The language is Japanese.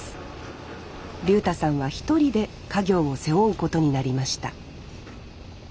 竜太さんは一人で家業を背負うことになりました